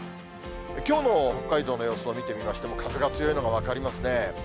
きょうの北海道の様子を見てみましても、風が強いのが分かりますね。